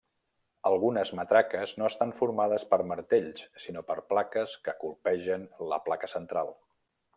Algunes matraques no estan formades per martells sinó per plaques que colpegen la placa central.